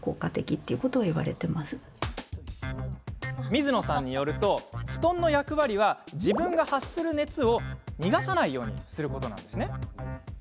水野さんによると布団の役割は自分が発する熱を逃がさないようにすること。